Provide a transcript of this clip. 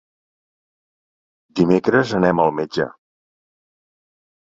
Dimecres anem al metge.